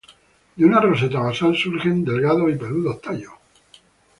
De una roseta basal surgen delgados y peludos tallos.